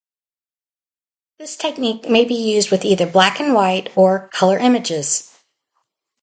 This technique may be used with either black and white or color images.